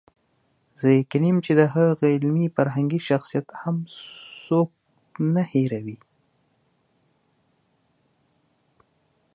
زه یقیني یم چې د هغه علمي فرهنګي شخصیت هم څوک نه هېروي.